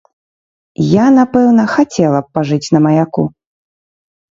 Я, напэўна, хацела б пажыць на маяку.